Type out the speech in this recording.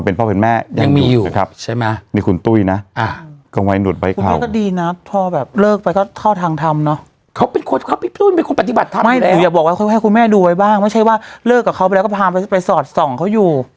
ตุ้นมันคงปฏิบัติธรรมอยู่แล้วไม่อย่าบอกว่าค่อยให้คุณแม่ดูไว้บ้างไม่ใช่ว่าเลิกกับเขาไปแล้วก็พาไปสอดส่องเขาอยู่